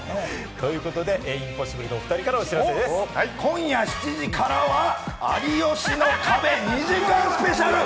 ということでインポッシブル今夜７時からは『有吉の壁』２時間スペシャル。